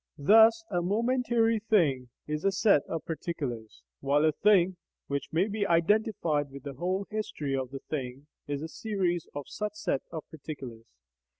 Thus a momentary thing is a set of particulars, while a thing (which may be identified with the whole history of the thing) is a series of such sets of particulars.